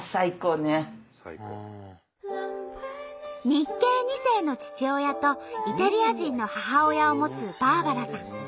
日系２世の父親とイタリア人の母親を持つバーバラさん。